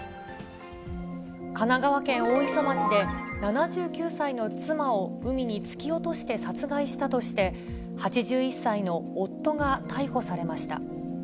神奈川県大磯町で、７９歳の妻を海に突き落として殺害したとして、８１歳の夫が逮捕されました。